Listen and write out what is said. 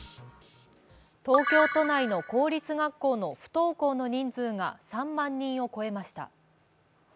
東京都内の公立学校の不登校の人数が３万人を超えました。